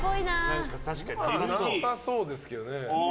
なさそうですけどね。